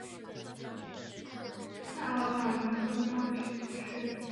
阿尔朗人口变化图示